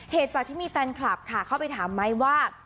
เหตุจากที่มีแฟนคลับเข้าไปถามไมค์ว่า